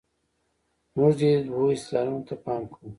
موږ دې دوو استدلالونو ته پام کوو.